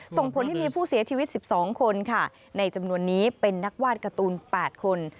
ส่งผลให้มีผู้เสียชีวิต๑๒คนค่ะในจำนวนนี้เป็นนักวาดการ์ตูน๘คน